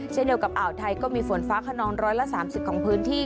เช่นเดียวกับอ่าวไทยก็มีฝนฟ้าขนอง๑๓๐ของพื้นที่